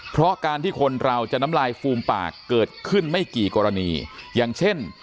เพราะการที่คนเราจะน้ำลายฟูมปากเกิดขึ้นไม่กี่กรณีอย่างเช่น